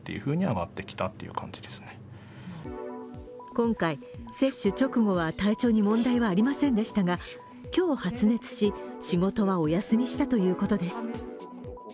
今回、接種直後は体調に問題はありませんでしたが今日、発熱し、仕事はお休みしたということです。